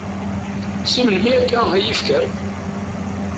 Si melmi akka, ay ifker?